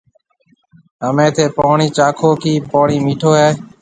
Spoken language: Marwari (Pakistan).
همَي ٿَي پوڻِي چاکو ڪِي پوڻِي مِٺو هيَ۔